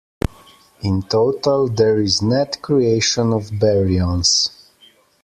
In total, there is net creation of baryons.